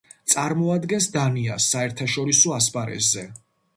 წარმოადგენს დანიას საერთაშორისო ასპარეზზე.